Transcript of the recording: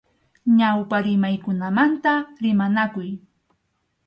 Ñawpa rimaykunamanta rimanakuy.